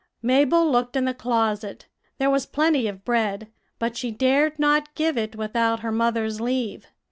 Mabel looked in the closet; there was plenty of bread, but she dared not give it without her mother's leave.